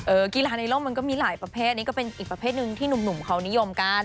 กีฬาในโลกมันก็มีหลายประเภทอันนี้ก็เป็นอีกประเภทหนึ่งที่หนุ่มเขานิยมกัน